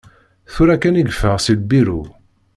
Tura kan i yeffeɣ si lbiru.